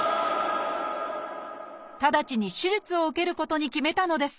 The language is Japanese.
ただちに手術を受けることに決めたのです。